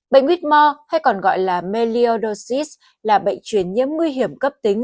bệnh whitmore hay còn gọi là meliodosis là bệnh chuyển nhiễm nguy hiểm cấp tính